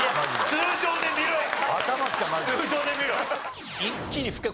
通常で見ろ！